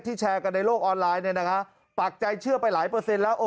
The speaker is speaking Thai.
แชร์กันในโลกออนไลน์ปักใจเชื่อไปหลายเปอร์เซ็นต์แล้ว